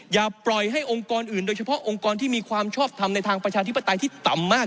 อย่าปล่อยให้องค์กรอื่นโดยเฉพาะองค์กรที่มีความชอบทำในทางประชาธิปไตยที่ต่ำมาก